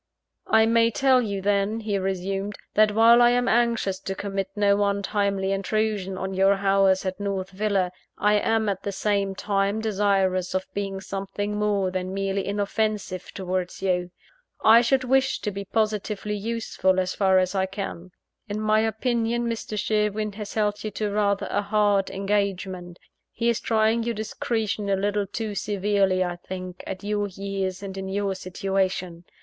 "I may tell you then," he resumed, "that while I am anxious to commit no untimely intrusion on your hours at North Villa, I am at the same time desirous of being something more than merely inoffensive towards you. I should wish to be positively useful, as far as I can. In my opinion Mr. Sherwin has held you to rather a hard engagement he is trying your discretion a little too severely I think, at your years and in your situation.